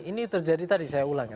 ini terjadi tadi saya ulang ya